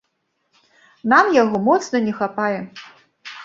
Нам яго моцна не хапае.